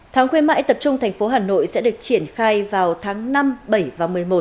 tháng khuyến mãi tập trung thành phố hà nội sẽ được triển khai vào tháng năm bảy và một mươi một